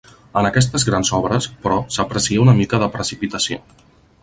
En aquestes grans obres, però s'aprecia una mica de precipitació.